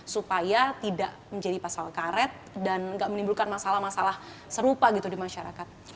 supaya tidak menjadi pasal karet dan nggak menimbulkan masalah masalah serupa gitu di masyarakat